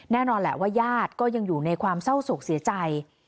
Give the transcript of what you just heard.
แน่นอนแหละว่าญาติก็ยังอยู่ในความเศร้าโศกเสียใจ